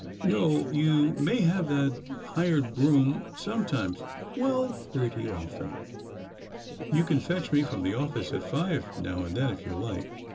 No ; you may have that hired brougham sometimes — well, pretty often. You can fetch me from the office at five, now and then, if you like."